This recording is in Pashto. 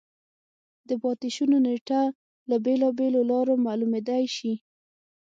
د پاتې شونو نېټه له بېلابېلو لارو معلومېدای شي.